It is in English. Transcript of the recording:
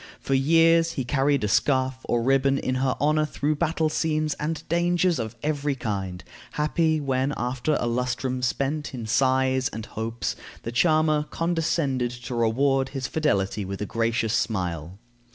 For years he carried a scarf or a ribbon in her honor through battle scenes and dangers of every kind, happy when, after a lustrum spent in sighs and hopes, the charmer condescended to reward his fidelity with a gracious smile.